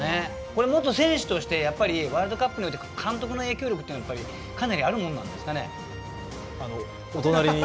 これ、元選手としてワールドカップにおいて監督の影響力はかなりあるものなんですかね。